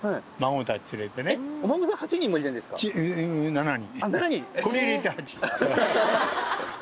７人！